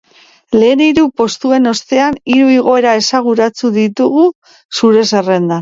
Lehen hiru postuen ostean, hiru igoera esanguratsu ditugu gure zerrendan.